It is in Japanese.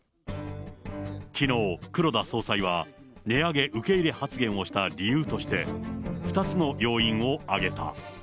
きのう、黒田総裁は、値上げ受け入れ発言をした理由として、２つの要因を挙げた。